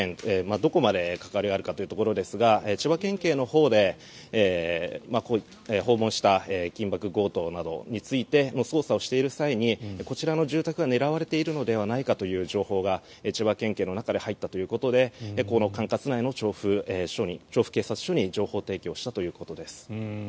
どこまで関わりがあるかというところですが千葉県警のほうで訪問した緊縛強盗について捜査をしている際にこちらの住宅が狙われているのではという情報が千葉県警の中で入ったということでこの管轄内の調布警察署に情報提供したということです。